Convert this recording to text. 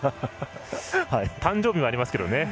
誕生日もありますけどね。